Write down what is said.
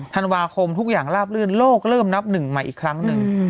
ธันวาคมทุกอย่างลาบลื่นโลกเริ่มนับหนึ่งใหม่อีกครั้งหนึ่ง